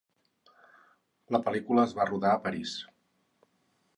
La pel·lícula es va rodar a París.